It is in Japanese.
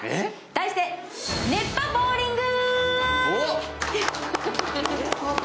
題して熱波ボウリング！